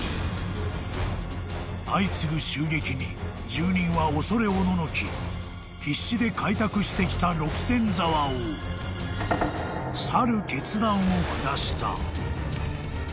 ［住人は恐れおののき必死で開拓してきた六線沢を去る決断を下した］